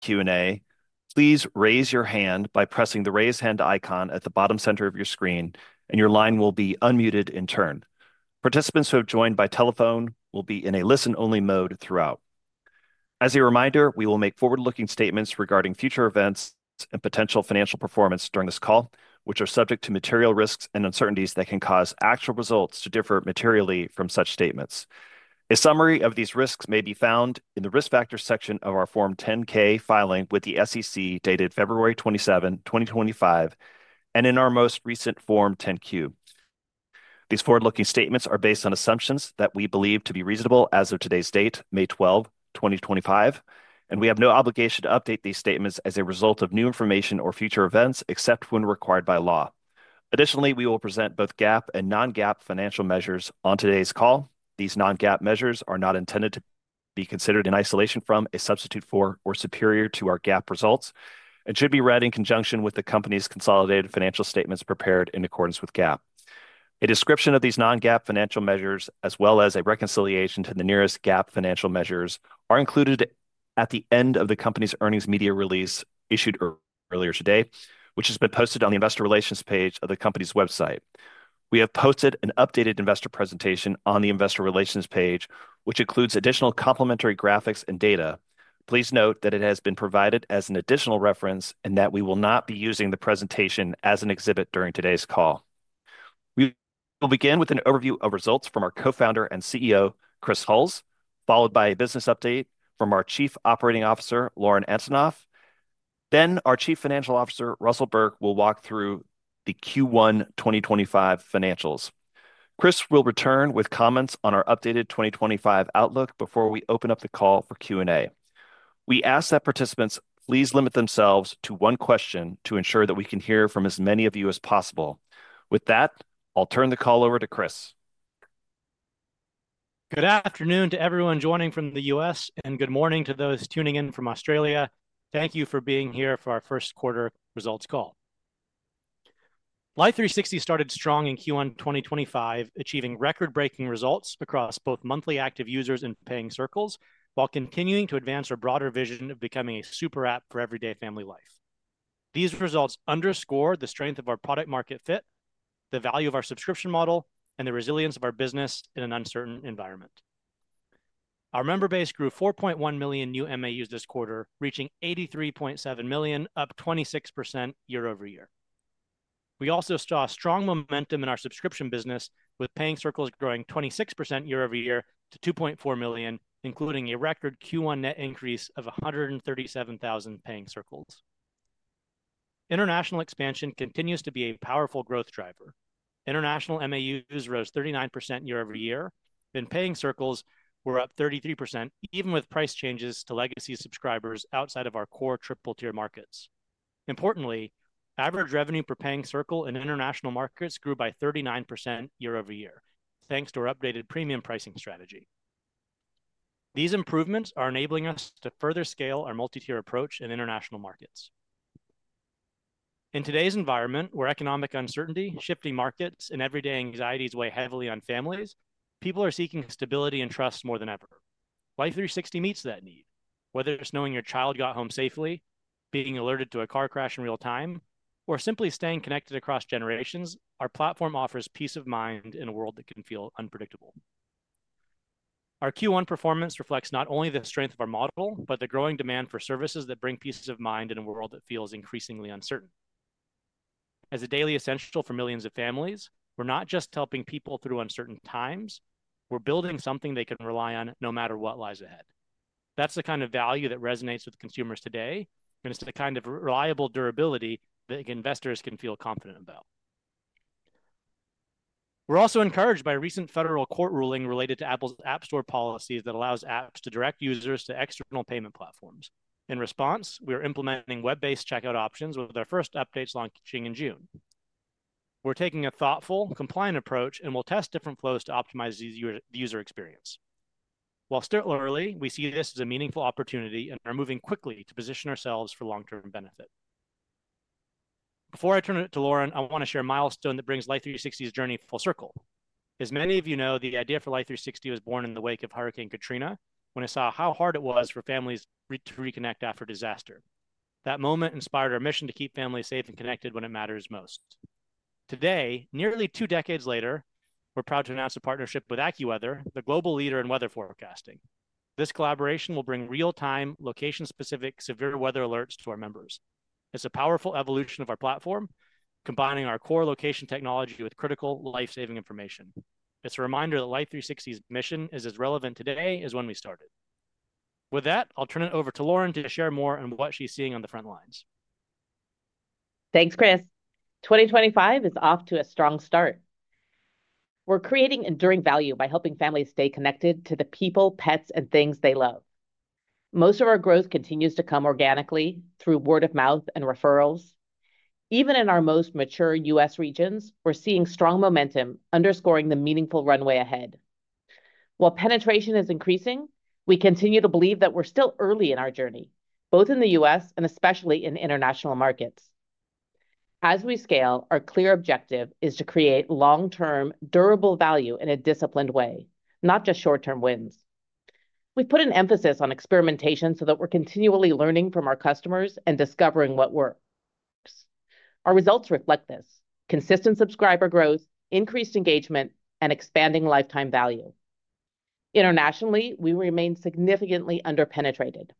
Q&A, please raise your hand by pressing the raise hand icon at the bottom center of your screen, and your line will be unmuted in turn. Participants who have joined by telephone will be in a listen-only mode throughout. As a reminder, we will make forward-looking statements regarding future events and potential financial performance during this call, which are subject to material risks and uncertainties that can cause actual results to differ materially from such statements. A summary of these risks may be found in the risk factor section of our Form 10-K filing with the SEC dated February 27, 2025, and in our most recent Form 10-Q. These forward-looking statements are based on assumptions that we believe to be reasonable as of today's date, May 12, 2025, and we have no obligation to update these statements as a result of new information or future events except when required by law. Additionally, we will present both GAAP and non-GAAP financial measures on today's call. These non-GAAP measures are not intended to be considered in isolation from, a substitute for, or superior to our GAAP results, and should be read in conjunction with the company's consolidated financial statements prepared in accordance with GAAP. A description of these non-GAAP financial measures, as well as a reconciliation to the nearest GAAP financial measures, are included at the end of the company's earnings media release issued earlier today, which has been posted on the investor relations page of the company's website. We have posted an updated investor presentation on the investor relations page, which includes additional complementary graphics and data. Please note that it has been provided as an additional reference and that we will not be using the presentation as an exhibit during today's call. We will begin with an overview of results from our Co-founder and CEO, Chris Hulls, followed by a business update from our Chief Operating Officer, Lauren Antonoff. Then our Chief Financial Officer, Russell Burke, will walk through the Q1 2025 financials. Chris will return with comments on our updated 2025 outlook before we open up the call for Q&A. We ask that participants please limit themselves to one question to ensure that we can hear from as many of you as possible. With that, I'll turn the call over to Chris. Good afternoon to everyone joining from the U.S. and good morning to those tuning in from Australia. Thank you for being here for our first quarter results call. Life360 started strong in Q1 2025, achieving record-breaking results across both monthly active users and paying circles while continuing to advance our broader vision of becoming a super app for everyday family life. These results underscore the strength of our product-market fit, the value of our subscription model, and the resilience of our business in an uncertain environment. Our member base grew 4.1 million new MAUs this quarter, reaching 83.7 million, up 26% year over year. We also saw strong momentum in our subscription business, with paying circles growing 26% year over year to 2.4 million, including a record Q1 net increase of 137,000 paying circles. International expansion continues to be a powerful growth driver. International MAUs rose 39% year over year, and paying circles were up 33%, even with price changes to legacy subscribers outside of our core triple-tier markets. Importantly, average revenue per paying circle in international markets grew by 39% year over year, thanks to our updated premium pricing strategy. These improvements are enabling us to further scale our multi-tier approach in international markets. In today's environment, where economic uncertainty, shifting markets, and everyday anxieties weigh heavily on families, people are seeking stability and trust more than ever. Life360 meets that need. Whether it's knowing your child got home safely, being alerted to a car crash in real time, or simply staying connected across generations, our platform offers peace of mind in a world that can feel unpredictable. Our Q1 performance reflects not only the strength of our model, but the growing demand for services that bring peace of mind in a world that feels increasingly uncertain. As a daily essential for millions of families, we're not just helping people through uncertain times, we're building something they can rely on no matter what lies ahead. That's the kind of value that resonates with consumers today, and it's the kind of reliable durability that investors can feel confident about. We're also encouraged by a recent federal court ruling related to Apple's App Store policies that allows apps to direct users to external payment platforms. In response, we are implementing web-based checkout options with our first updates launching in June. We're taking a thoughtful, compliant approach and will test different flows to optimize the user experience. While still early, we see this as a meaningful opportunity and are moving quickly to position ourselves for long-term benefit. Before I turn it to Lauren, I want to share a milestone that brings Life360's journey full circle. As many of you know, the idea for Life360 was born in the wake of Hurricane Katrina when it saw how hard it was for families to reconnect after disaster. That moment inspired our mission to keep families safe and connected when it matters most. Today, nearly two decades later, we're proud to announce a partnership with AccuWeather, the global leader in weather forecasting. This collaboration will bring real-time, location-specific severe weather alerts to our members. It's a powerful evolution of our platform, combining our core location technology with critical life-saving information. It's a reminder that Life360's mission is as relevant today as when we started. With that, I'll turn it over to Lauren to share more on what she's seeing on the front lines. Thanks, Chris. 2025 is off to a strong start. We're creating enduring value by helping families stay connected to the people, pets, and things they love. Most of our growth continues to come organically through word of mouth and referrals. Even in our most mature U.S. regions, we're seeing strong momentum, underscoring the meaningful runway ahead. While penetration is increasing, we continue to believe that we're still early in our journey, both in the U.S. and especially in international markets. As we scale, our clear objective is to create long-term, durable value in a disciplined way, not just short-term wins. We've put an emphasis on experimentation so that we're continually learning from our customers and discovering what works. Our results reflect this: consistent subscriber growth, increased engagement, and expanding lifetime value. Internationally, we remain significantly under-penetrated.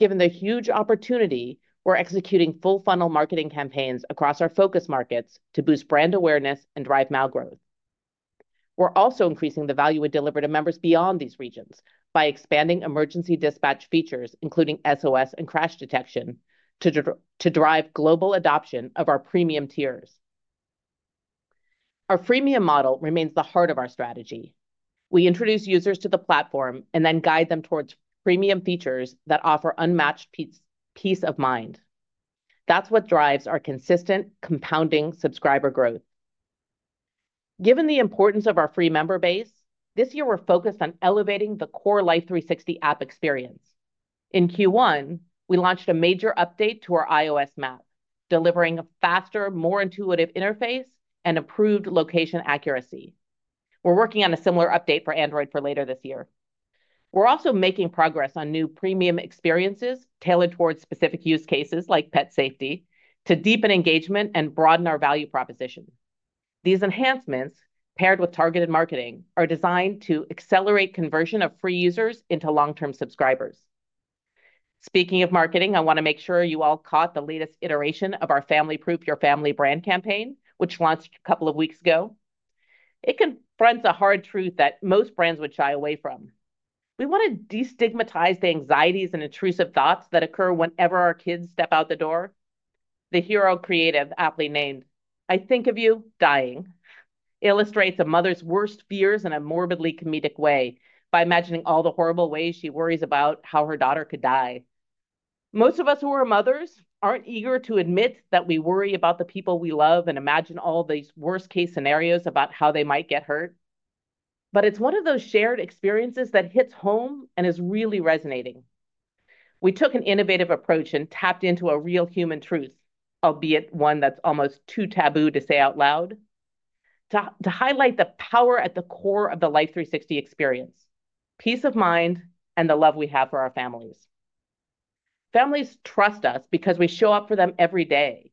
Given the huge opportunity, we're executing full-funnel marketing campaigns across our focus markets to boost brand awareness and drive malgrowth. We're also increasing the value we deliver to members beyond these regions by expanding emergency dispatch features, including SOS and Crash Detection, to drive global adoption of our premium tiers. Our freemium model remains the heart of our strategy. We introduce users to the platform and then guide them towards premium features that offer unmatched peace of mind. That's what drives our consistent, compounding subscriber growth. Given the importance of our free member base, this year we're focused on elevating the core Life360 app experience. In Q1, we launched a major update to our iOS map, delivering a faster, more intuitive interface and improved location accuracy. We're working on a similar update for Android for later this year. We're also making progress on new premium experiences tailored towards specific use cases like pet safety to deepen engagement and broaden our value proposition. These enhancements, paired with targeted marketing, are designed to accelerate conversion of free users into long-term subscribers. Speaking of marketing, I want to make sure you all caught the latest iteration of our Family Proof Your Family brand campaign, which launched a couple of weeks ago. It confronts a hard truth that most brands would shy away from. We want to destigmatize the anxieties and intrusive thoughts that occur whenever our kids step out the door. The hero creative, aptly named, "I Think of You Dying," illustrates a mother's worst fears in a morbidly comedic way by imagining all the horrible ways she worries about how her daughter could die. Most of us who are mothers aren't eager to admit that we worry about the people we love and imagine all these worst-case scenarios about how they might get hurt. It is one of those shared experiences that hits home and is really resonating. We took an innovative approach and tapped into a real human truth, albeit one that's almost too taboo to say out loud, to highlight the power at the core of the Life360 experience: peace of mind and the love we have for our families. Families trust us because we show up for them every day.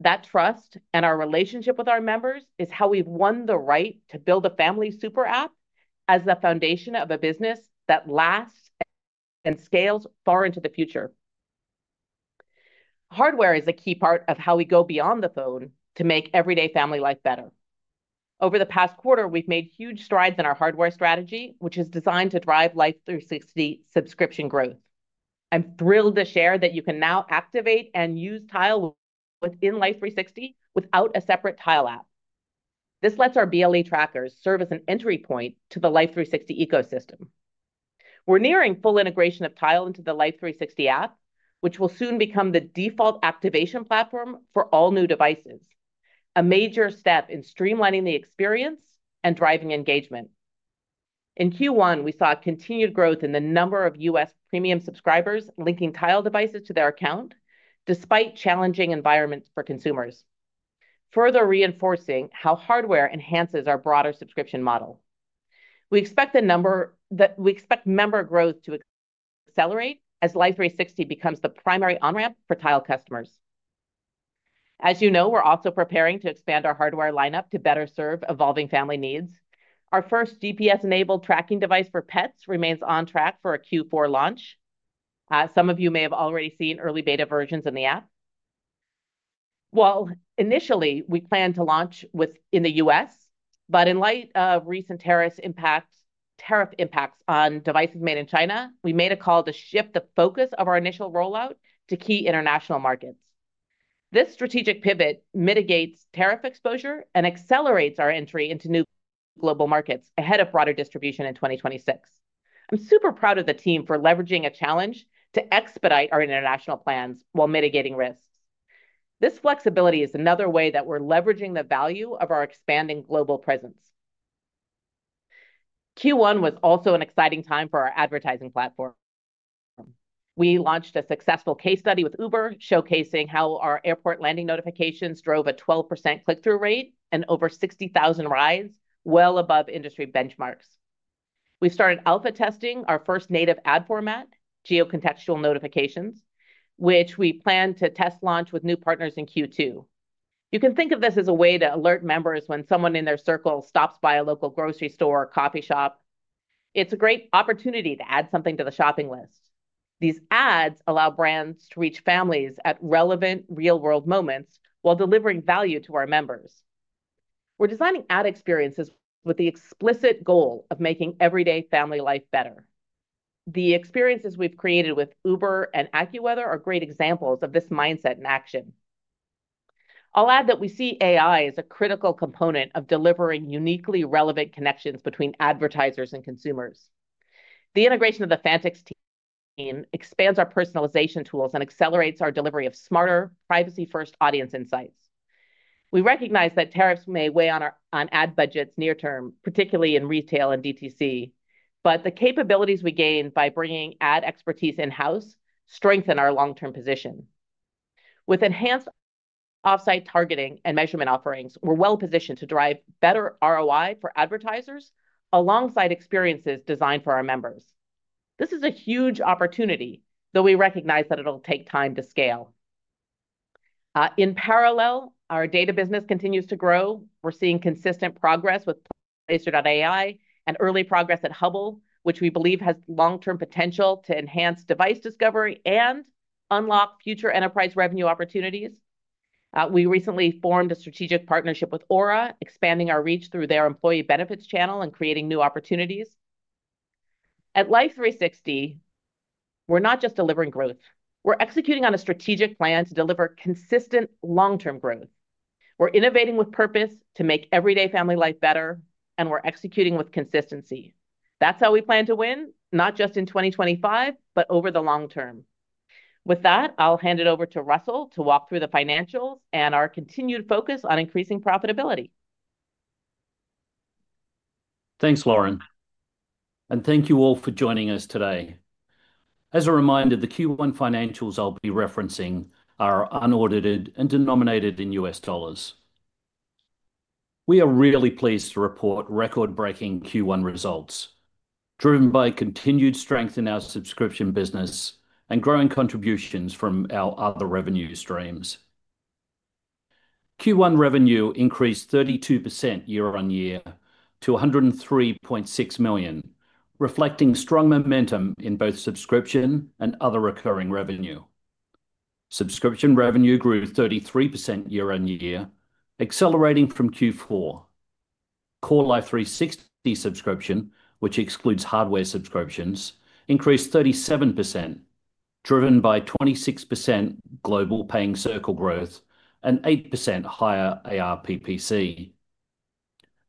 That trust and our relationship with our members is how we've won the right to build a family super app as the foundation of a business that lasts and scales far into the future. Hardware is a key part of how we go beyond the phone to make everyday family life better. Over the past quarter, we've made huge strides in our hardware strategy, which is designed to drive Life360 subscription growth. I'm thrilled to share that you can now activate and use Tile within Life360 without a separate Tile app. This lets our BLE trackers serve as an entry point to the Life360 ecosystem. We're nearing full integration of Tile into the Life360 app, which will soon become the default activation platform for all new devices, a major step in streamlining the experience and driving engagement. In Q1, we saw continued growth in the number of U.S. premium subscribers linking Tile devices to their account, despite challenging environments for consumers, further reinforcing how hardware enhances our broader subscription model. We expect member growth to accelerate as Life360 becomes the primary on-ramp for Tile customers. As you know, we're also preparing to expand our hardware lineup to better serve evolving family needs. Our first GPS-enabled tracking device for pets remains on track for a Q4 launch. Some of you may have already seen early beta versions in the app. Initially, we planned to launch in the U.S., but in light of recent tariff impacts on devices made in China, we made a call to shift the focus of our initial rollout to key international markets. This strategic pivot mitigates tariff exposure and accelerates our entry into new global markets ahead of broader distribution in 2026. I'm super proud of the team for leveraging a challenge to expedite our international plans while mitigating risks. This flexibility is another way that we're leveraging the value of our expanding global presence. Q1 was also an exciting time for our advertising platform. We launched a successful case study with Uber, showcasing how our airport landing notifications drove a 12% click-through rate and over 60,000 rides, well above industry benchmarks. We started alpha testing our first native ad format, Geo-Contextual Notifications, which we plan to test launch with new partners in Q2. You can think of this as a way to alert members when someone in their circle stops by a local grocery store or coffee shop. It's a great opportunity to add something to the shopping list. These ads allow brands to reach families at relevant real-world moments while delivering value to our members. We're designing ad experiences with the explicit goal of making everyday family life better. The experiences we've created with Uber and AccuWeather are great examples of this mindset in action. I'll add that we see AI as a critical component of delivering uniquely relevant connections between advertisers and consumers. The integration of the Fantech team expands our personalization tools and accelerates our delivery of smarter, privacy-first audience insights. We recognize that tariffs may weigh on ad budgets near-term, particularly in retail and DTC, but the capabilities we gain by bringing ad expertise in-house strengthen our long-term position. With enhanced off-site targeting and measurement offerings, we're well-positioned to drive better ROI for advertisers alongside experiences designed for our members. This is a huge opportunity, though we recognize that it'll take time to scale. In parallel, our data business continues to grow. We're seeing consistent progress with Laser.ai and early progress at Hubble, which we believe has long-term potential to enhance device discovery and unlock future enterprise revenue opportunities. We recently formed a strategic partnership with Aura, expanding our reach through their employee benefits channel and creating new opportunities. At Life360, we're not just delivering growth. We're executing on a strategic plan to deliver consistent long-term growth. We're innovating with purpose to make everyday family life better, and we're executing with consistency. That's how we plan to win, not just in 2025, but over the long term. With that, I'll hand it over to Russell to walk through the financials and our continued focus on increasing profitability. Thanks, Lauren. Thank you all for joining us today. As a reminder, the Q1 financials I'll be referencing are unaudited and denominated in U.S. dollars. We are really pleased to report record-breaking Q1 results, driven by continued strength in our subscription business and growing contributions from our other revenue streams. Q1 revenue increased 32% year-on-year to $103.6 million, reflecting strong momentum in both subscription and other recurring revenue. Subscription revenue grew 33% year-on-year, accelerating from Q4. Core Life360 subscription, which excludes hardware subscriptions, increased 37%, driven by 26% global paying circle growth and 8% higher ARPPC.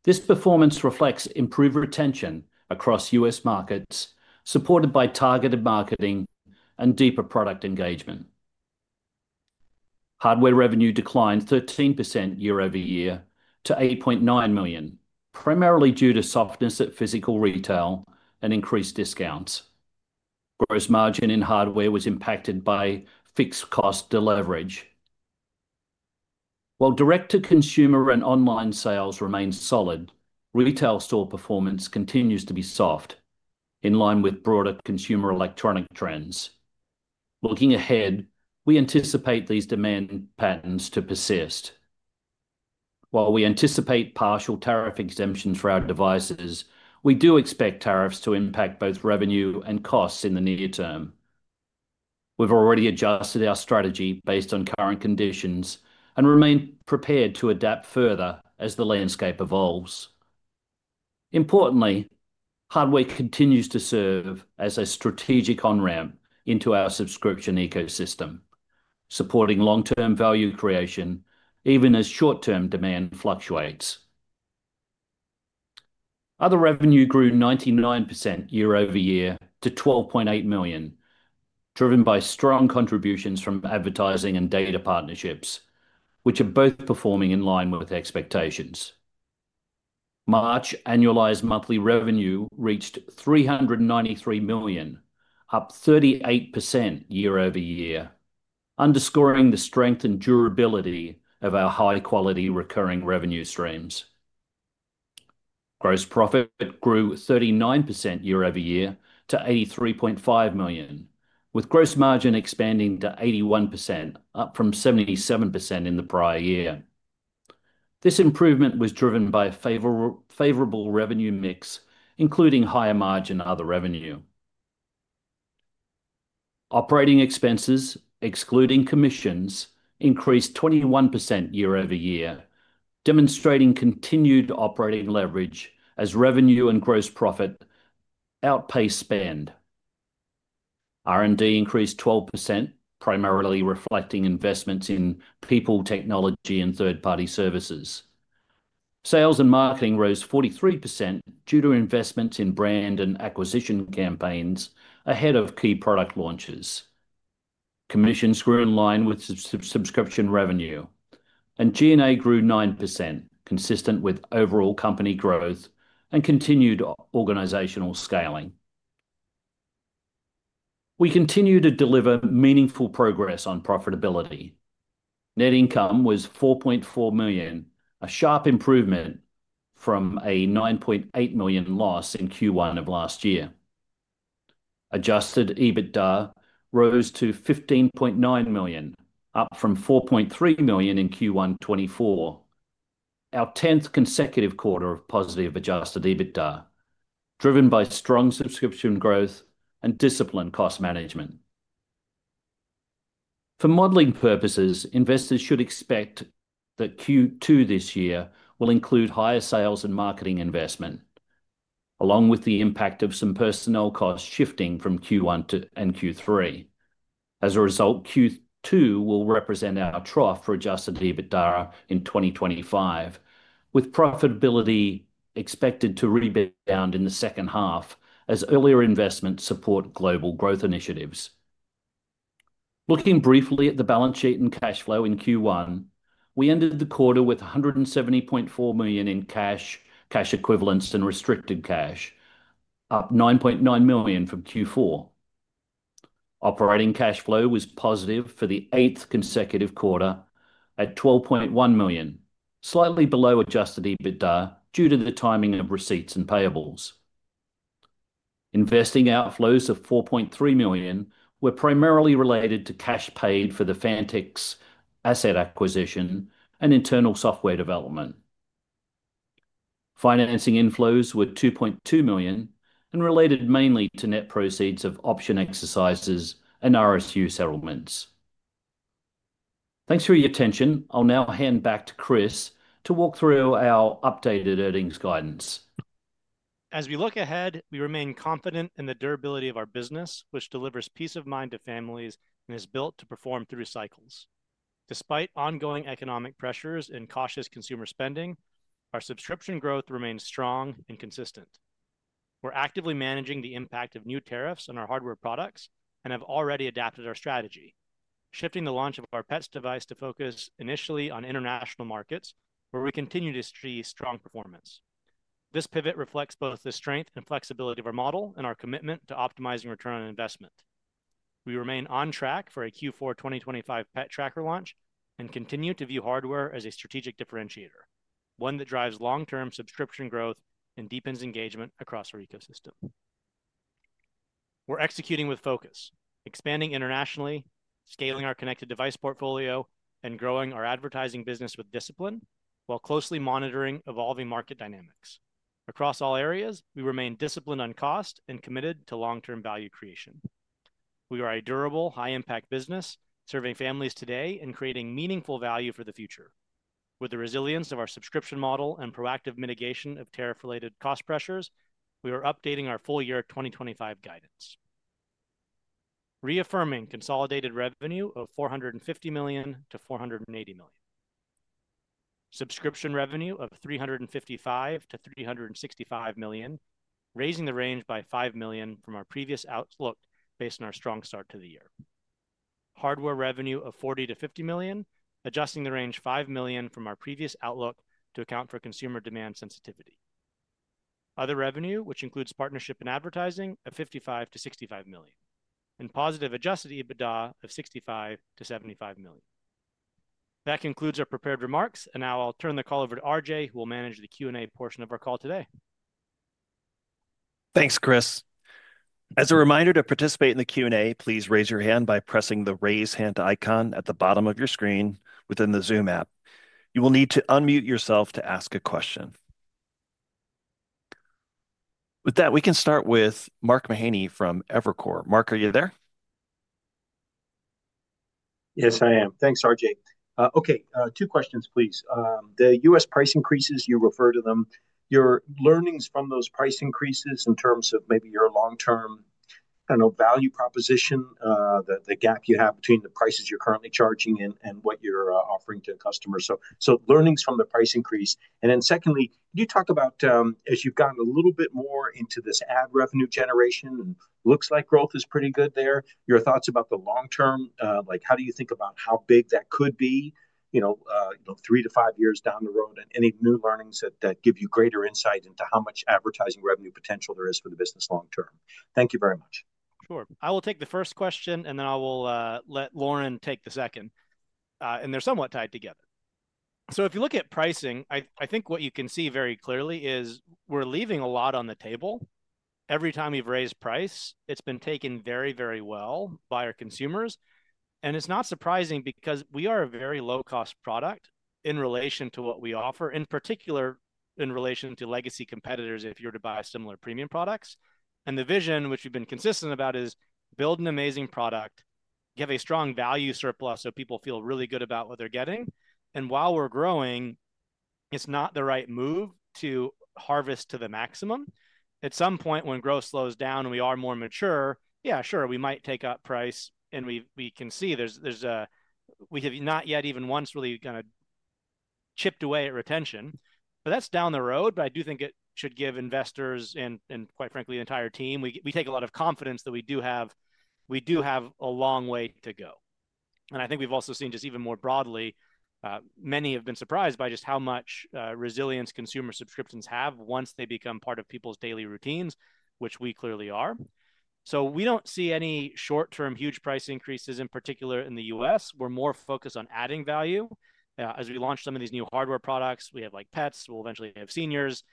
This performance reflects improved retention across U.S. markets, supported by targeted marketing and deeper product engagement. Hardware revenue declined 13% year-over-year to $8.9 million, primarily due to softness at physical retail and increased discounts. Gross margin in hardware was impacted by fixed cost deliverage. While direct-to-consumer and online sales remain solid, retail store performance continues to be soft, in line with broader consumer electronic trends. Looking ahead, we anticipate these demand patterns to persist. While we anticipate partial tariff exemptions for our devices, we do expect tariffs to impact both revenue and costs in the near term. We've already adjusted our strategy based on current conditions and remain prepared to adapt further as the landscape evolves. Importantly, hardware continues to serve as a strategic on-ramp into our subscription ecosystem, supporting long-term value creation even as short-term demand fluctuates. Other revenue grew 99% year-over-year to $12.8 million, driven by strong contributions from advertising and data partnerships, which are both performing in line with expectations. March annualized monthly revenue reached $393 million, up 38% year-over-year, underscoring the strength and durability of our high-quality recurring revenue streams. Gross profit grew 39% year-over-year to $83.5 million, with gross margin expanding to 81%, up from 77% in the prior year. This improvement was driven by a favorable revenue mix, including higher margin and other revenue. Operating expenses, excluding commissions, increased 21% year-over-year, demonstrating continued operating leverage as revenue and gross profit outpace spend. R&D increased 12%, primarily reflecting investments in people, technology, and third-party services. Sales and marketing rose 43% due to investments in brand and acquisition campaigns ahead of key product launches. Commissions grew in line with subscription revenue, and G&A grew 9%, consistent with overall company growth and continued organizational scaling. We continue to deliver meaningful progress on profitability. Net income was $4.4 million, a sharp improvement from a $9.8 million loss in Q1 of last year. Adjusted EBITDA rose to $15.9 million, up from $4.3 million in Q1 2024, our 10th consecutive quarter of positive adjusted EBITDA, driven by strong subscription growth and disciplined cost management. For modeling purposes, investors should expect that Q2 this year will include higher sales and marketing investment, along with the impact of some personnel costs shifting from Q1 and Q3. As a result, Q2 will represent our trough for adjusted EBITDA in 2025, with profitability expected to rebound in the second half as earlier investments support global growth initiatives. Looking briefly at the balance sheet and cash flow in Q1, we ended the quarter with $170.4 million in cash, cash equivalents, and restricted cash, up $9.9 million from Q4. Operating cash flow was positive for the eighth consecutive quarter at $12.1 million, slightly below adjusted EBITDA due to the timing of receipts and payables. Investing outflows of $4.3 million were primarily related to cash paid for the Fantech asset acquisition and internal software development. Financing inflows were $2.2 million and related mainly to net proceeds of option exercises and RSU settlements. Thanks for your attention. I'll now hand back to Chris to walk through our updated earnings guidance. As we look ahead, we remain confident in the durability of our business, which delivers peace of mind to families and is built to perform through cycles. Despite ongoing economic pressures and cautious consumer spending, our subscription growth remains strong and consistent. We're actively managing the impact of new tariffs on our hardware products and have already adapted our strategy, shifting the launch of our Pet Tracker device to focus initially on international markets, where we continue to see strong performance. This pivot reflects both the strength and flexibility of our model and our commitment to optimizing return on investment. We remain on track for a Q4 2025 Pet Tracker launch and continue to view hardware as a strategic differentiator, one that drives long-term subscription growth and deepens engagement across our ecosystem. We're executing with focus, expanding internationally, scaling our connected device portfolio, and growing our advertising business with discipline while closely monitoring evolving market dynamics. Across all areas, we remain disciplined on cost and committed to long-term value creation. We are a durable, high-impact business serving families today and creating meaningful value for the future. With the resilience of our subscription model and proactive mitigation of tariff-related cost pressures, we are updating our full year 2025 guidance, reaffirming consolidated revenue of $450 million-$480 million, subscription revenue of $355 million-$365 million, raising the range by $5 million from our previous outlook based on our strong start to the year, hardware revenue of $40 million-$50 million, adjusting the range $5 million from our previous outlook to account for consumer demand sensitivity. Other revenue, which includes partnership and advertising, of $55 million-$65 million, and positive adjusted EBITDA of $65 million-$75 million. That concludes our prepared remarks, and now I'll turn the call over to RJ, who will manage the Q&A portion of our call today. Thanks, Chris. As a reminder to participate in the Q&A, please raise your hand by pressing the raise hand icon at the bottom of your screen within the Zoom app. You will need to unmute yourself to ask a question. With that, we can start with Mark Mahaney from Evercore. Mark, are you there? Yes, I am. Thanks, RJ. Okay, two questions, please. The U.S. price increases, you refer to them. Your learnings from those price increases in terms of maybe your long-term, I do not know, value proposition, the gap you have between the prices you are currently charging and what you are offering to customers. So learnings from the price increase. Then secondly, can you talk about, as you have gotten a little bit more into this ad revenue generation and looks like growth is pretty good there, your thoughts about the long-term, like how do you think about how big that could be, you know, three to five years down the road and any new learnings that give you greater insight into how much advertising revenue potential there is for the business long-term? Thank you very much. Sure. I will take the first question, and then I will let Lauren take the second. They are somewhat tied together. If you look at pricing, I think what you can see very clearly is we are leaving a lot on the table. Every time we have raised price, it has been taken very, very well by our consumers. It is not surprising because we are a very low-cost product in relation to what we offer, in particular in relation to legacy competitors if you were to buy similar premium products. The vision, which we have been consistent about, is build an amazing product, give a strong value surplus so people feel really good about what they are getting. While we are growing, it is not the right move to harvest to the maximum. At some point, when growth slows down and we are more mature, yeah, sure, we might take up price. We can see we have not yet even once really kind of chipped away at retention. That is down the road. I do think it should give investors and, quite frankly, the entire team, we take a lot of confidence that we do have a long way to go. I think we have also seen just even more broadly, many have been surprised by just how much resilience consumer subscriptions have once they become part of people's daily routines, which we clearly are. We do not see any short-term huge price increases, in particular in the U.S. We are more focused on adding value. As we launch some of these new hardware products we have, like PETS, we will eventually have Seniors.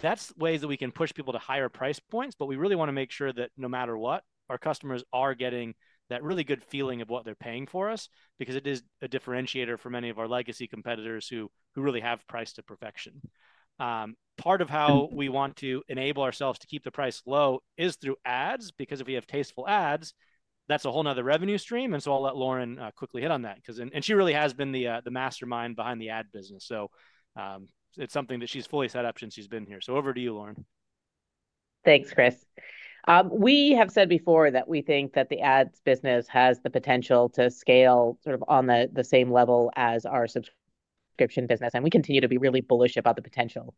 That is ways that we can push people to higher price points. We really want to make sure that no matter what, our customers are getting that really good feeling of what they're paying for us because it is a differentiator for many of our legacy competitors who really have priced to perfection. Part of how we want to enable ourselves to keep the price low is through ads because if we have tasteful ads, that's a whole nother revenue stream. I'll let Lauren quickly hit on that because she really has been the mastermind behind the ad business. It's something that she's fully set up since she's been here. Over to you, Lauren. Thanks, Chris. We have said before that we think that the ads business has the potential to scale sort of on the same level as our subscription business. We continue to be really bullish about the potential.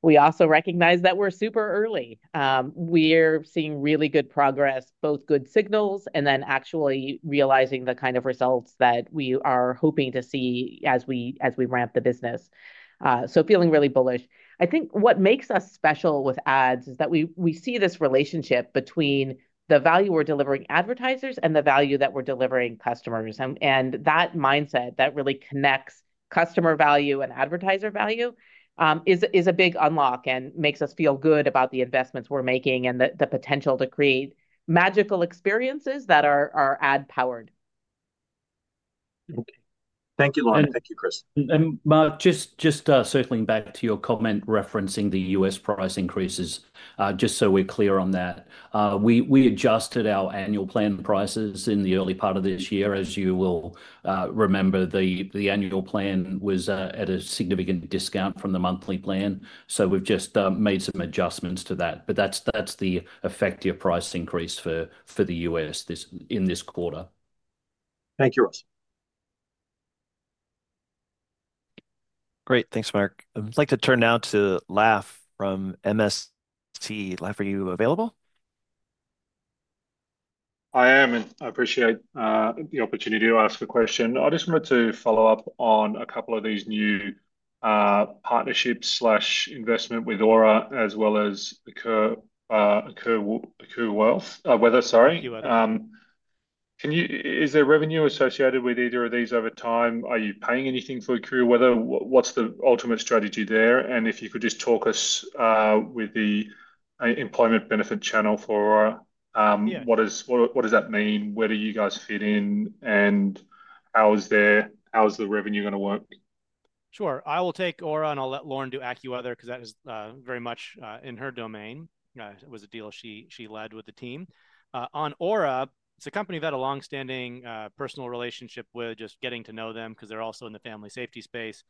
We also recognize that we're super early. We are seeing really good progress, both good signals and then actually realizing the kind of results that we are hoping to see as we ramp the business. Feeling really bullish. I think what makes us special with ads is that we see this relationship between the value we're delivering advertisers and the value that we're delivering customers. That mindset that really connects customer value and advertiser value is a big unlock and makes us feel good about the investments we're making and the potential to create magical experiences that are ad-powered. Okay. Thank you, Lauren. Thank you, Chris. Mark, just circling back to your comment referencing the U.S. price increases, just so we're clear on that. We adjusted our annual plan prices in the early part of this year. As you will remember, the annual plan was at a significant discount from the monthly plan. We have just made some adjustments to that. That is the effective price increase for the U.S. in this quarter. Thank you, Russ. Great. Thanks, Mark. I'd like to turn now to Laff from MSC. Laff, are you available? I am, and I appreciate the opportunity to ask a question. I just wanted to follow up on a couple of these new partnerships/investment with Aura, as well as AccuWeather. Weather, sorry. Can you, is there revenue associated with either of these over time? Are you paying anything for AccuWeather? What's the ultimate strategy there? If you could just talk us with the employment benefit channel for Aura, what does that mean? Where do you guys fit in? How is the revenue going to work? Sure. I will take Aura and I'll let Lauren do AccuWeather because that is very much in her domain. It was a deal she led with the team. On Aura, it's a company we've had a long-standing personal relationship with, just getting to know them because they're also in the family safety space.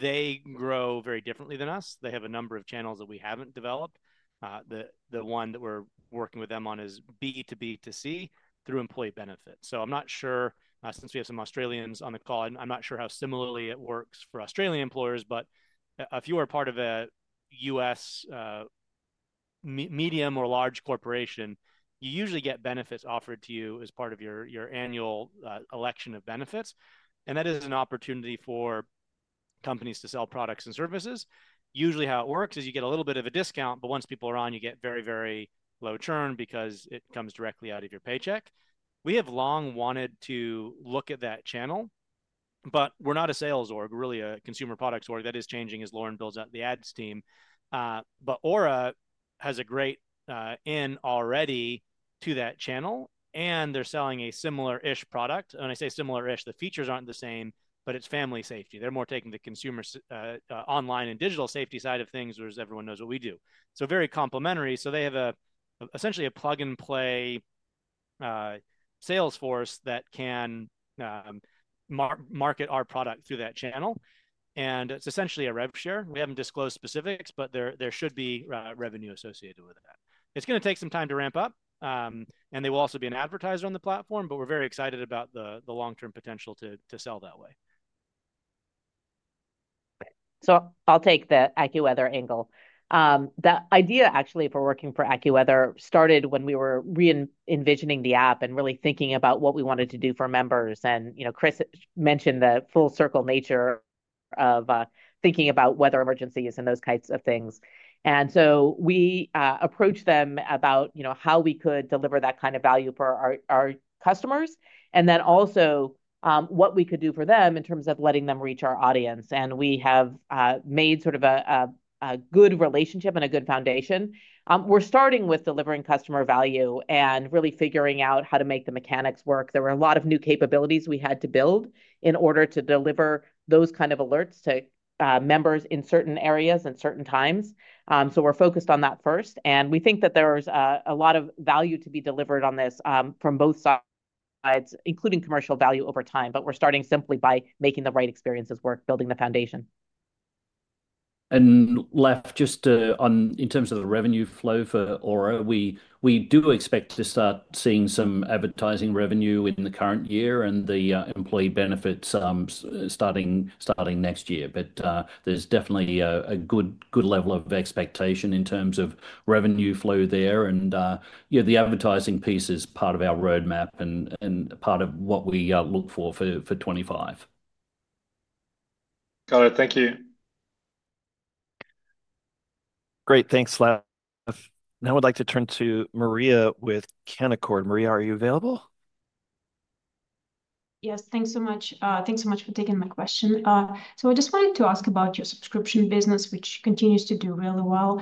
They grow very differently than us. They have a number of channels that we haven't developed. The one that we're working with them on is B2B2C through employee benefits. I'm not sure since we have some Australians on the call, I'm not sure how similarly it works for Australian employers. If you are part of a U.S. medium or large corporation, you usually get benefits offered to you as part of your annual election of benefits. That is an opportunity for companies to sell products and services. Usually, how it works is you get a little bit of a discount, but once people are on, you get very, very low churn because it comes directly out of your paycheck. We have long wanted to look at that channel, but we're not a sales org, really a consumer products org. That is changing as Lauren builds out the ads team. Aura has a great in already to that channel, and they're selling a similar-ish product. When I say similar-ish, the features aren't the same, but it's family safety. They're more taking the consumer online and digital safety side of things, whereas everyone knows what we do. Very complementary. They have essentially a plug-and-play sales force that can market our product through that channel. It's essentially a rev share. We haven't disclosed specifics, but there should be revenue associated with that. It's going to take some time to ramp up, and they will also be an advertiser on the platform, but we're very excited about the long-term potential to sell that way. I'll take the AccuWeather angle. The idea, actually, for working for AccuWeather started when we were re-envisioning the app and really thinking about what we wanted to do for members. Chris mentioned the full circle nature of thinking about weather emergencies and those kinds of things. We approached them about how we could deliver that kind of value for our customers and then also what we could do for them in terms of letting them reach our audience. We have made sort of a good relationship and a good foundation. We're starting with delivering customer value and really figuring out how to make the mechanics work. There were a lot of new capabilities we had to build in order to deliver those kind of alerts to members in certain areas and certain times. We're focused on that first. We think that there's a lot of value to be delivered on this from both sides, including commercial value over time. We are starting simply by making the right experiences work, building the foundation. Laff, just in terms of the revenue flow for Aura, we do expect to start seeing some advertising revenue in the current year and the employee benefits starting next year. There is definitely a good level of expectation in terms of revenue flow there. The advertising piece is part of our roadmap and part of what we look for for 2025. Got it. Thank you. Great. Thanks, Laff. Now I'd like to turn to Maria with Canaccord. Maria, are you available? Yes, thanks so much. Thanks so much for taking my question. I just wanted to ask about your subscription business, which continues to do really well.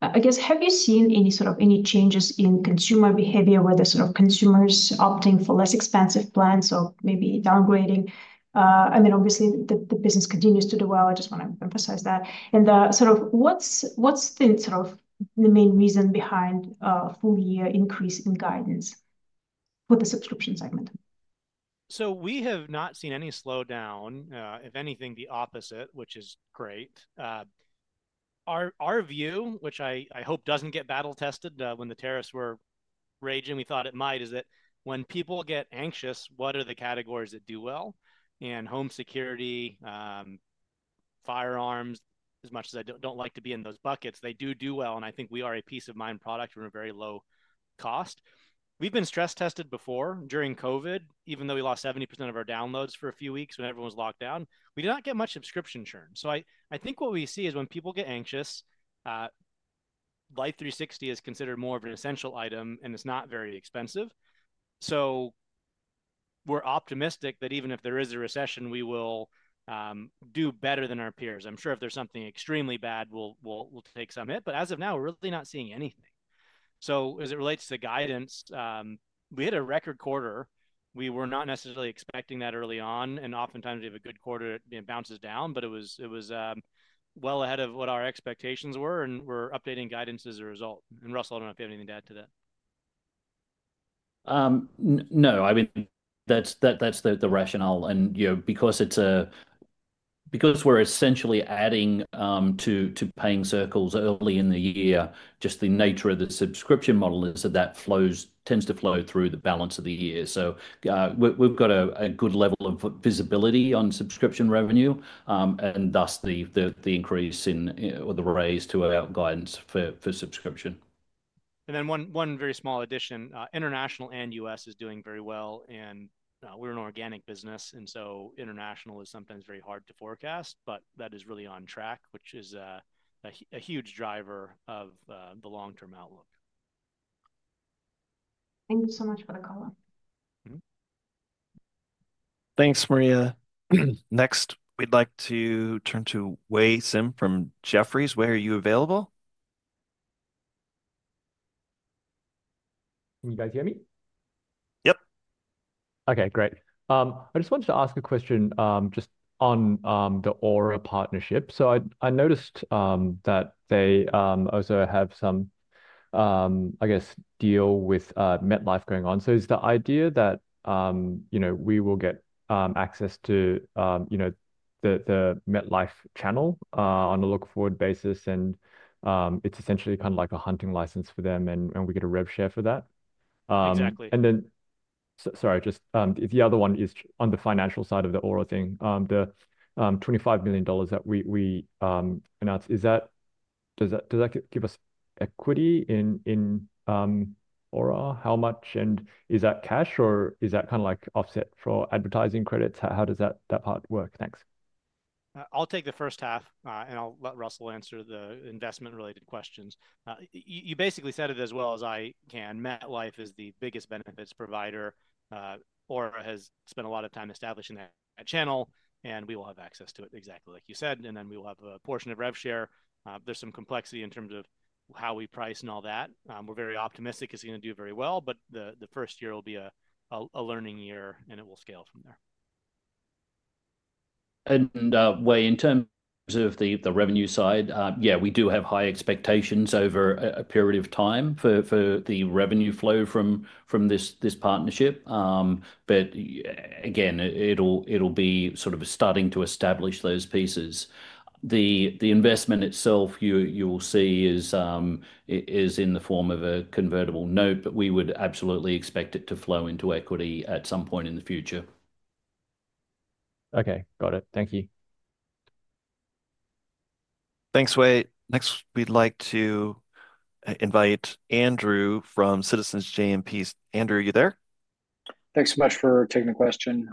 I guess, have you seen any sort of changes in consumer behavior, whether sort of consumers opting for less expensive plans or maybe downgrading? I mean, obviously, the business continues to do well. I just want to emphasize that. What is the main reason behind a full-year increase in guidance for the subscription segment? We have not seen any slowdown. If anything, the opposite, which is great. Our view, which I hope does not get battle-tested when the tariffs were raging, we thought it might, is that when people get anxious, what are the categories that do well? Home security, firearms. As much as I do not like to be in those buckets, they do do well. I think we are a peace-of-mind product from a very low cost. We have been stress-tested before during COVID, even though we lost 70% of our downloads for a few weeks when everyone was locked down. We did not get much subscription churn. I think what we see is when people get anxious, Life360 is considered more of an essential item, and it is not very expensive. We are optimistic that even if there is a recession, we will do better than our peers. I'm sure if there's something extremely bad, we'll take some hit. But as of now, we're really not seeing anything. As it relates to guidance, we had a record quarter. We were not necessarily expecting that early on. Oftentimes, we have a good quarter, and it bounces down. It was well ahead of what our expectations were. We're updating guidance as a result. Russell, I don't know if you have anything to add to that. No, I mean, that's the rationale. Because we're essentially adding to paying circles early in the year, just the nature of the subscription model is that that tends to flow through the balance of the year. We've got a good level of visibility on subscription revenue and thus the increase or the raise to our guidance for subscription. One very small addition. International and U.S. is doing very well. We are an organic business. International is sometimes very hard to forecast. That is really on track, which is a huge driver of the long-term outlook. Thank you so much for the call. Thanks, Maria. Next, we'd like to turn to Wei Sim from Jefferies. Wei, are you available? Can you guys hear me? Yep. Okay, great. I just wanted to ask a question just on the Aura partnership. I noticed that they also have some, I guess, deal with MetLife going on. Is the idea that we will get access to the MetLife channel on a look-forward basis? It is essentially kind of like a hunting license for them, and we get a rev share for that. Exactly. Sorry, just the other one is on the financial side of the Aura thing. The $25 million that we announced, does that give us equity in Aura? How much? And is that cash, or is that kind of like offset for advertising credits? How does that part work? Thanks. I'll take the first half. I'll let Russell answer the investment-related questions. You basically said it as well as I can. MetLife is the biggest benefits provider. Aura has spent a lot of time establishing that channel. We will have access to it exactly like you said. We will have a portion of rev share. There is some complexity in terms of how we price and all that. We're very optimistic it's going to do very well. The first year will be a learning year, and it will scale from there. Wei, in terms of the revenue side, yeah, we do have high expectations over a period of time for the revenue flow from this partnership. Again, it'll be sort of starting to establish those pieces. The investment itself, you will see, is in the form of a convertible note. We would absolutely expect it to flow into equity at some point in the future. Okay, got it. Thank you. Thanks, Wei. Next, we'd like to invite Andrew from Citizens JMP. Andrew, are you there? Thanks so much for taking the question.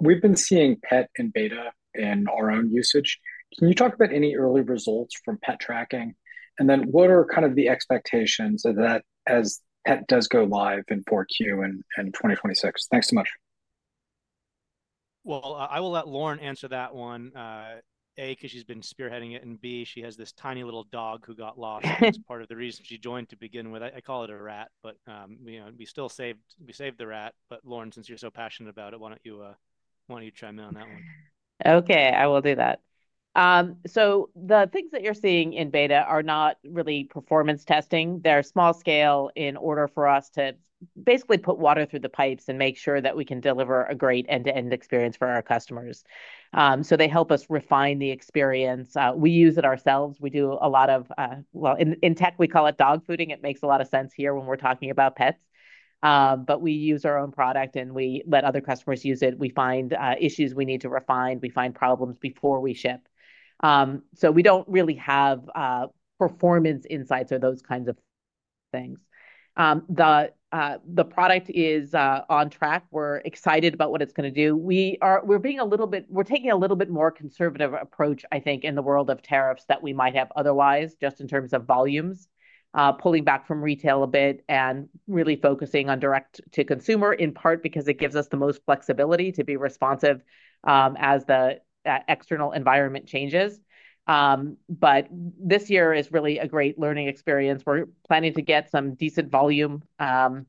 We've been seeing pet and beta in our own usage. Can you talk about any early results from pet tracking? What are kind of the expectations that as pet does go live in 2024 and 2026? Thanks so much. I will let Lauren answer that one, A, because she's been spearheading it, and B, she has this tiny little dog who got lost. That's part of the reason she joined to begin with. I call it a rat, but we still saved the rat. Lauren, since you're so passionate about it, why don't you chime in on that one? Okay, I will do that. The things that you're seeing in beta are not really performance testing. They're small-scale in order for us to basically put water through the pipes and make sure that we can deliver a great end-to-end experience for our customers. They help us refine the experience. We use it ourselves. We do a lot of, well, in tech, we call it dog fooding. It makes a lot of sense here when we're talking about pets. We use our own product, and we let other customers use it. We find issues we need to refine. We find problems before we ship. We don't really have performance insights or those kinds of things. The product is on track. We're excited about what it's going to do. We're being a little bit, we're taking a little bit more conservative approach, I think, in the world of tariffs than we might have otherwise, just in terms of volumes, pulling back from retail a bit and really focusing on direct-to-consumer, in part because it gives us the most flexibility to be responsive as the external environment changes. This year is really a great learning experience. We're planning to get some decent volume. I'll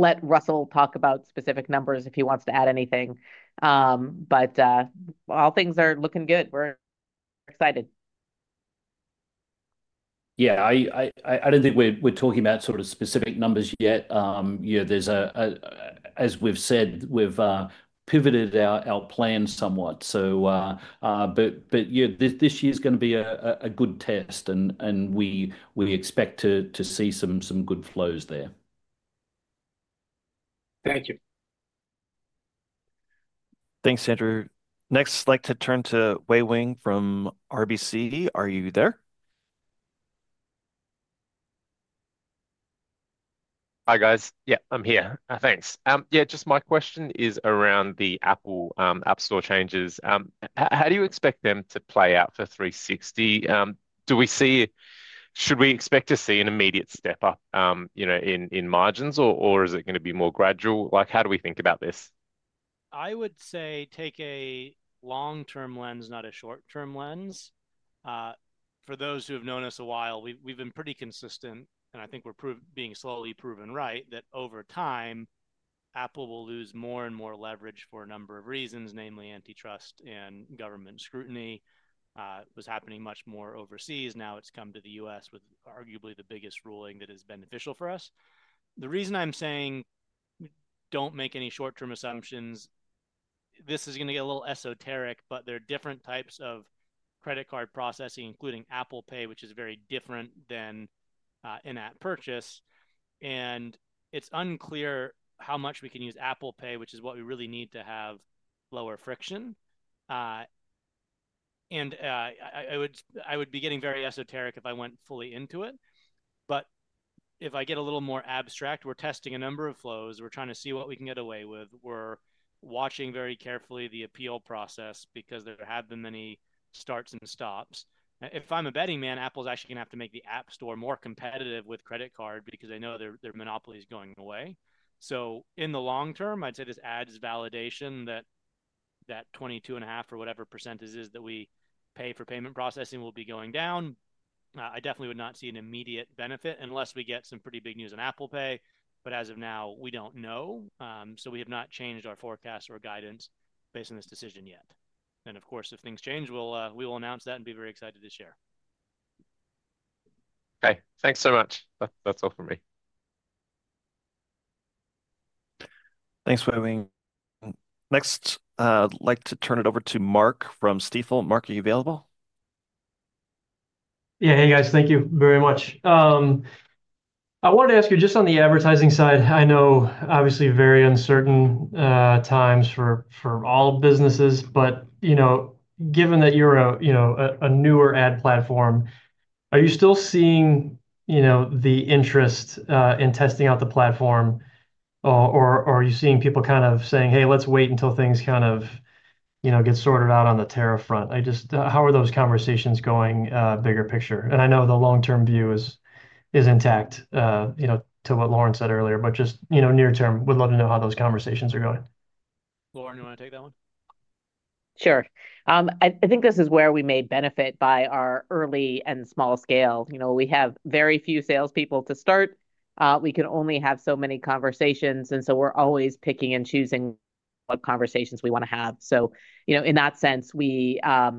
let Russell talk about specific numbers if he wants to add anything. All things are looking good. We're excited. Yeah, I don't think we're talking about sort of specific numbers yet. As we've said, we've pivoted our plan somewhat. This year is going to be a good test. We expect to see some good flows there. Thank you. Thanks, Andrew. Next, I'd like to turn to Wei Wing from RBC. Are you there? Hi, guys. Yeah, I'm here. Thanks. Yeah, just my question is around the Apple App Store changes. How do you expect them to play out for 360? Should we expect to see an immediate step up in margins, or is it going to be more gradual? How do we think about this? I would say take a long-term lens, not a short-term lens. For those who have known us a while, we've been pretty consistent. I think we're being slowly proven right that over time, Apple will lose more and more leverage for a number of reasons, namely antitrust and government scrutiny. It was happening much more overseas. Now it's come to the U.S. with arguably the biggest ruling that is beneficial for us. The reason I'm saying don't make any short-term assumptions, this is going to get a little esoteric, but there are different types of credit card processing, including Apple Pay, which is very different than in-app purchase. It's unclear how much we can use Apple Pay, which is what we really need to have lower friction. I would be getting very esoteric if I went fully into it. If I get a little more abstract, we're testing a number of flows. We're trying to see what we can get away with. We're watching very carefully the appeal process because there have been many starts and stops. If I'm a betting man, Apple's actually going to have to make the App Store more competitive with credit card because they know their monopoly is going away. In the long term, I'd say this adds validation that that 22.5% or whatever percentage it is that we pay for payment processing will be going down. I definitely would not see an immediate benefit unless we get some pretty big news on Apple Pay. As of now, we don't know. We have not changed our forecast or guidance based on this decision yet. If things change, we will announce that and be very excited to share. Okay, thanks so much. That's all from me. Thanks, Wei Wing. Next, I'd like to turn it over to Mark from Steeple. Mark, are you available? Yeah, hey, guys. Thank you very much. I wanted to ask you just on the advertising side. I know, obviously, very uncertain times for all businesses. Given that you're a newer ad platform, are you still seeing the interest in testing out the platform? Are you seeing people kind of saying, "Hey, let's wait until things kind of get sorted out on the tariff front"? How are those conversations going, bigger picture? I know the long-term view is intact to what Lauren said earlier. Just near term, would love to know how those conversations are going. Lauren, do you want to take that one? Sure. I think this is where we may benefit by our early and small scale. We have very few salespeople to start. We can only have so many conversations. We are always picking and choosing what conversations we want to have. In that sense, we are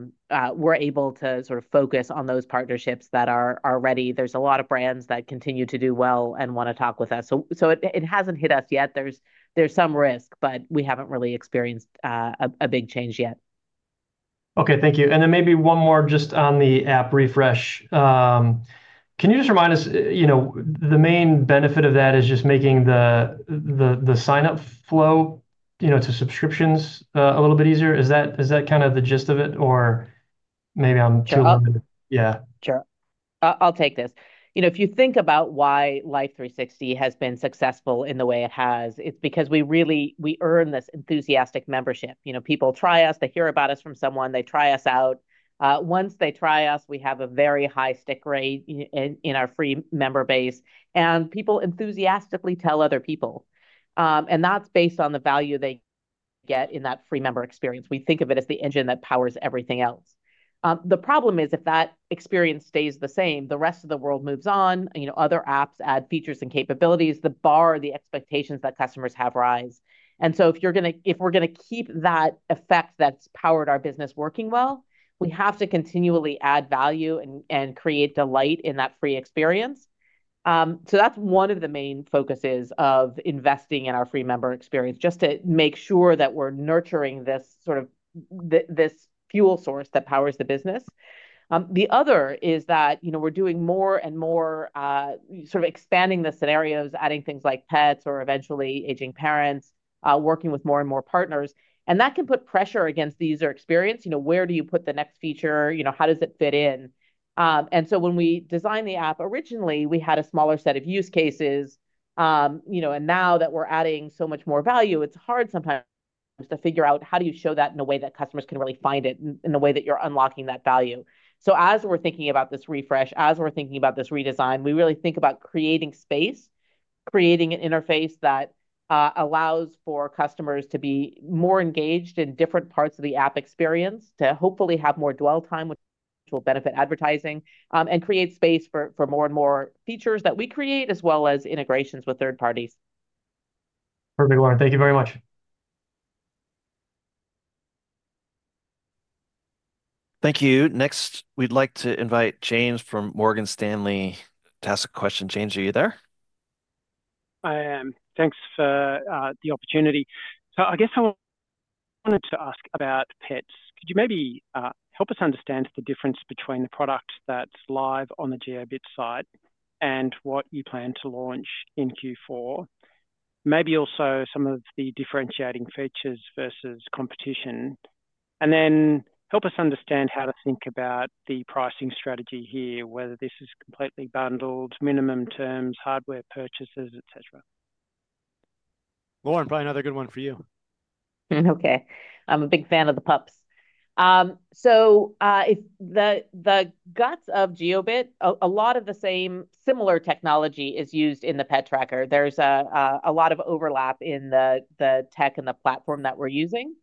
able to sort of focus on those partnerships that are ready. There are a lot of brands that continue to do well and want to talk with us. It has not hit us yet. There is some risk. We have not really experienced a big change yet. Okay, thank you. Maybe one more just on the app refresh. Can you just remind us the main benefit of that is just making the sign-up flow to subscriptions a little bit easier? Is that kind of the gist of it? Or maybe I'm chewing on it. Yeah. Sure. I'll take this. If you think about why Life360 has been successful in the way it has, it's because we earn this enthusiastic membership. People try us. They hear about us from someone. They try us out. Once they try us, we have a very high stick rate in our free member base. People enthusiastically tell other people. That is based on the value they get in that free member experience. We think of it as the engine that powers everything else. The problem is if that experience stays the same, the rest of the world moves on. Other apps add features and capabilities. The bar, the expectations that customers have, rise. If we're going to keep that effect that's powered our business working well, we have to continually add value and create delight in that free experience. That's one of the main focuses of investing in our free member experience, just to make sure that we're nurturing this sort of fuel source that powers the business. The other is that we're doing more and more sort of expanding the scenarios, adding things like pets or eventually aging parents, working with more and more partners. That can put pressure against the user experience. Where do you put the next feature? How does it fit in? When we designed the app, originally, we had a smaller set of use cases. Now that we're adding so much more value, it's hard sometimes to figure out how do you show that in a way that customers can really find it, in a way that you're unlocking that value. As we're thinking about this refresh, as we're thinking about this redesign, we really think about creating space, creating an interface that allows for customers to be more engaged in different parts of the app experience, to hopefully have more dwell time with actual benefit advertising, and create space for more and more features that we create, as well as integrations with third parties. Perfect, Lauren. Thank you very much. Thank you. Next, we'd like to invite James from Morgan Stanley to ask a question. James, are you there? I am. Thanks for the opportunity. I guess I wanted to ask about pets. Could you maybe help us understand the difference between the product that's live on the GeoBit site and what you plan to launch in 2024? Maybe also some of the differentiating features versus competition. Then help us understand how to think about the pricing strategy here, whether this is completely bundled, minimum terms, hardware purchases, etc. Lauren, probably another good one for you. Okay. I'm a big fan of the pups. So the guts of GeoBit, a lot of the same similar technology is used in the pet tracker. There's a lot of overlap in the tech and the platform that we're using.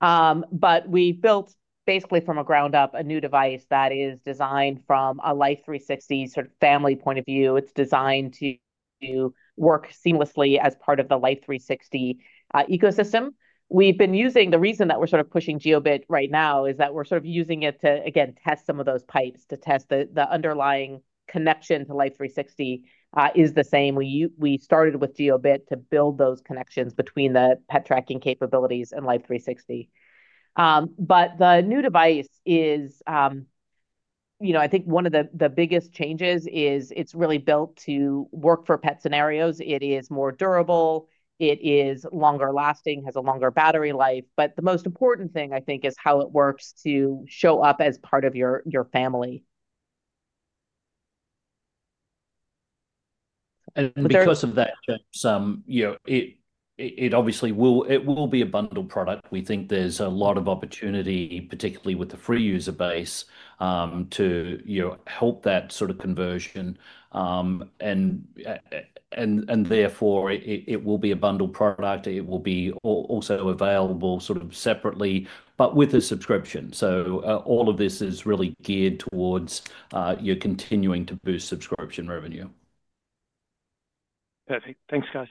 But we built, basically from the ground up, a new device that is designed from a Life360 sort of family point of view. It's designed to work seamlessly as part of the Life360 ecosystem. We've been using the reason that we're sort of pushing GeoBit right now is that we're sort of using it to, again, test some of those pipes, to test the underlying connection to Life360 is the same. We started with GeoBit to build those connections between the pet tracking capabilities and Life360. The new device is, I think one of the biggest changes is it's really built to work for pet scenarios. It is more durable. It is longer lasting, has a longer battery life. The most important thing, I think, is how it works to show up as part of your family. Because of that, James, it obviously will be a bundled product. We think there is a lot of opportunity, particularly with the free user base, to help that sort of conversion. Therefore, it will be a bundled product. It will also be available separately, but with a subscription. All of this is really geared towards continuing to boost subscription revenue. Perfect. Thanks, guys.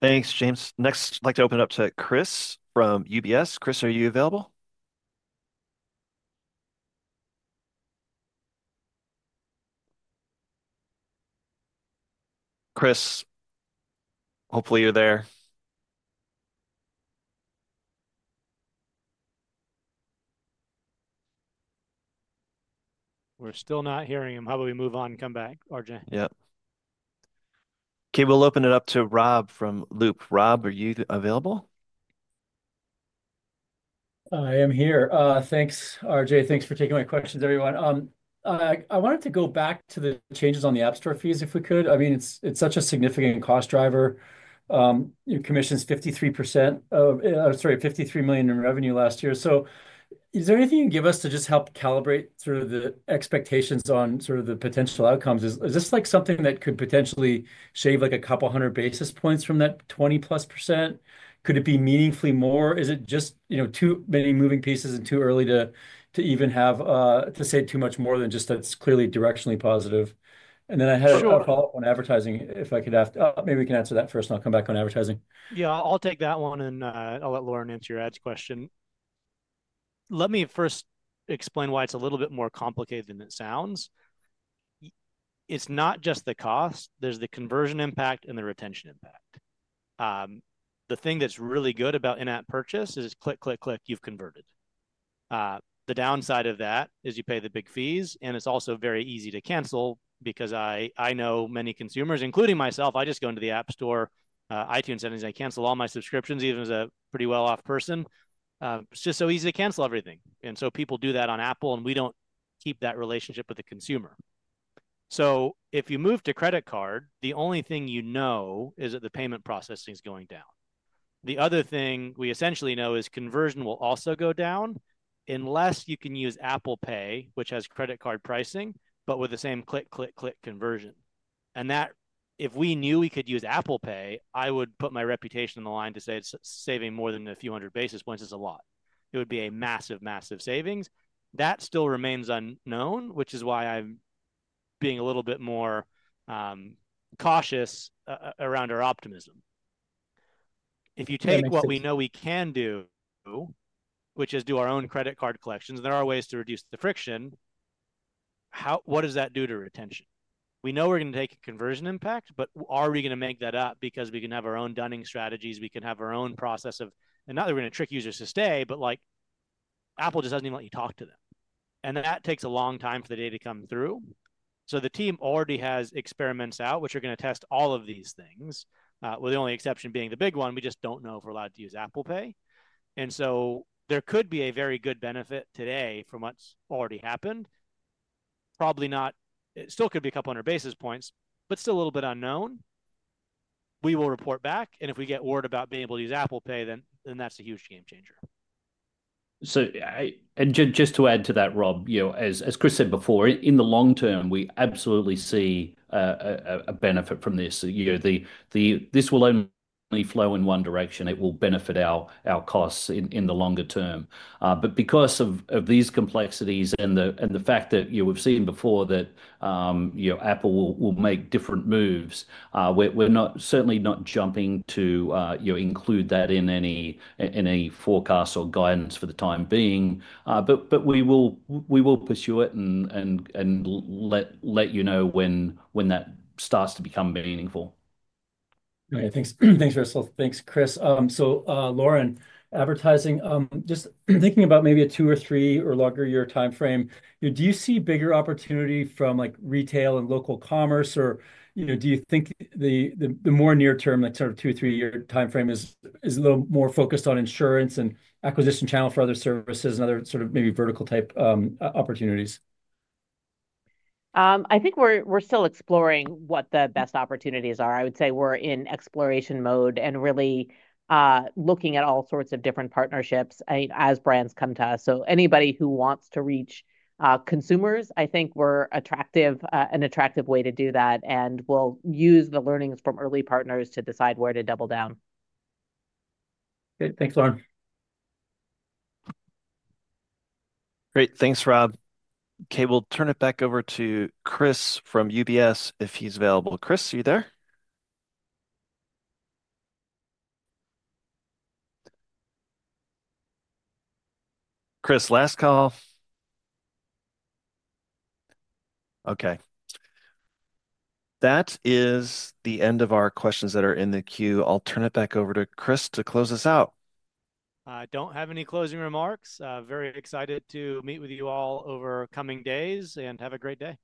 Thanks, James. Next, I'd like to open it up to Chris from UBS. Chris, are you available? Chris, hopefully, you're there. We're still not hearing him. How about we move on and come back, RJ? Yep. Okay, we'll open it up to Rob from Loop. Rob, are you available? I am here. Thanks, RJ. Thanks for taking my questions, everyone. I wanted to go back to the changes on the App Store fees, if we could. I mean, it's such a significant cost driver. Your commission is 53% of, sorry, $53 million in revenue last year. Is there anything you can give us to just help calibrate sort of the expectations on sort of the potential outcomes? Is this something that could potentially shave like a couple hundred basis points from that 20-plus percent? Could it be meaningfully more? Is it just too many moving pieces and too early to even have to say too much more than just that's clearly directionally positive? I had a follow-up on advertising, if I could ask. Maybe we can answer that first, and I'll come back on advertising. Yeah, I'll take that one. I'll let Lauren answer your ads question. Let me first explain why it's a little bit more complicated than it sounds. It's not just the cost. There's the conversion impact and the retention impact. The thing that's really good about in-app purchase is click, click, click. You've converted. The downside of that is you pay the big fees. It's also very easy to cancel because I know many consumers, including myself, I just go into the App Store, iTunes settings, I cancel all my subscriptions, even as a pretty well-off person. It's just so easy to cancel everything. People do that on Apple. We don't keep that relationship with the consumer. If you move to credit card, the only thing you know is that the payment processing is going down. The other thing we essentially know is conversion will also go down unless you can use Apple Pay, which has credit card pricing, but with the same click, click, click conversion. If we knew we could use Apple Pay, I would put my reputation on the line to say it's saving more than a few hundred basis points. It's a lot. It would be a massive, massive savings. That still remains unknown, which is why I'm being a little bit more cautious around our optimism. If you take what we know we can do, which is do our own credit card collections, and there are ways to reduce the friction, what does that do to retention? We know we're going to take a conversion impact. Are we going to make that up because we can have our own dunning strategies? We can have our own process of not that we're going to trick users to stay, but Apple just does not even let you talk to them. That takes a long time for the data to come through. The team already has experiments out, which are going to test all of these things, with the only exception being the big one. We just do not know if we are allowed to use Apple Pay. There could be a very good benefit today from what has already happened. Probably not. It still could be a couple hundred basis points, but still a little bit unknown. We will report back. If we get word about being able to use Apple Pay, then that is a huge game changer. Just to add to that, Rob, as Chris said before, in the long term, we absolutely see a benefit from this. This will only flow in one direction. It will benefit our costs in the longer term. Because of these complexities and the fact that we've seen before that Apple will make different moves, we're certainly not jumping to include that in any forecast or guidance for the time being. We will pursue it and let you know when that starts to become meaningful. All right. Thanks, Russell. Thanks, Chris. So Lauren, advertising, just thinking about maybe a two or three or longer year time frame, do you see bigger opportunity from retail and local commerce? Or do you think the more near term, that sort of two or three year time frame is a little more focused on insurance and acquisition channel for other services and other sort of maybe vertical type opportunities? I think we're still exploring what the best opportunities are. I would say we're in exploration mode and really looking at all sorts of different partnerships as brands come to us. Anybody who wants to reach consumers, I think we're an attractive way to do that. We'll use the learnings from early partners to decide where to double down. Great. Thanks, Lauren. Great. Thanks, Rob. Okay, we'll turn it back over to Chris from UBS if he's available. Chris, are you there? Chris, last call. Okay. That is the end of our questions that are in the queue. I'll turn it back over to Chris to close us out. I don't have any closing remarks. Very excited to meet with you all over coming days. Have a great day.